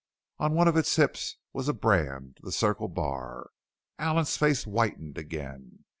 On one of its hips was a brand the Circle Bar. Allen's face whitened again.